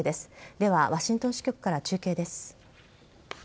ではワシントン支局から中継です。